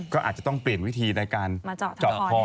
ก็อาจจะต้องเปลี่ยนวิธีในการเจาะคอ